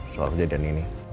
soal kejadian ini